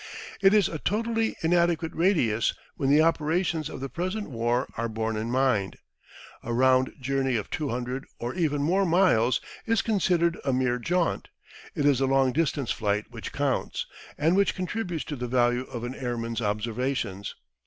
It is a totally inadequate radius when the operations of the present war are borne in mind. A round journey of 200, or even more miles is considered a mere jaunt; it is the long distance flight which counts, and which contributes to the value of an airman's observations.